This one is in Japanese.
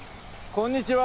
こんにちは。